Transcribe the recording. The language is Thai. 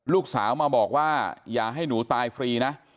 ลูกสาวมาบอกว่าอย่าให้หนูตายฟรีนะ